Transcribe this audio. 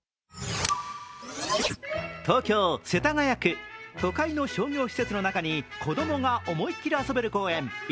東京・世田谷区、都会の商業施設の中に子供が思いきり遊べる公園